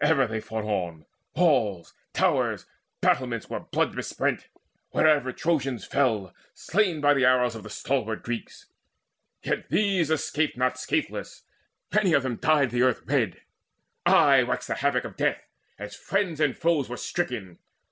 Ever they fought on; walls, towers, battlements Were blood besprent, wherever Trojans fell Slain by the arrows of the stalwart Greeks. Yet these escaped not scatheless; many of them Dyed the earth red: aye waxed the havoc of death As friends and foes were stricken.